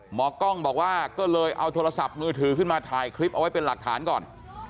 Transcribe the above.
หมอกล้องบอกว่าก็เลยเอาโทรศัพท์มือถือขึ้นมาถ่ายคลิปเอาไว้เป็นหลักฐานก่อน